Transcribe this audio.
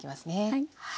はい。